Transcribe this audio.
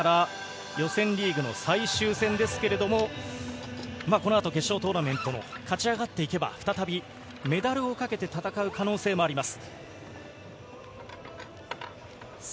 予選リーグの最終戦ですけど、この後、決勝トーナメントを勝ち上がっていけば、再びメダルをかけて戦う可能性もあります。